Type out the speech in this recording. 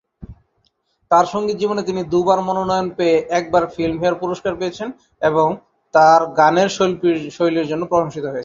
তার সংগীত জীবনে তিনি দুবার মনোনয়ন পেয়ে একবার ফিল্মফেয়ার পুরস্কার পেয়েছেন এবং তার গানের শৈলীর জন্য প্রশংসিত হয়েছেন।